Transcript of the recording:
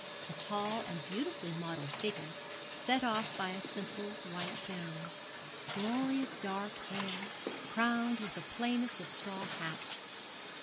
A tall and beautifully modelled figure, set off by a simple white gown; glorious dark hair, crowned with the plainest of straw hats.